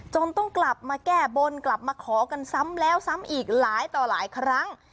ต้องกลับมาแก้บนกลับมาขอกันซ้ำแล้วซ้ำอีกหลายต่อหลายครั้ง